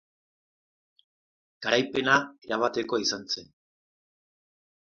Nafar erregeak lortutako garaipena erabatekoa izan zen.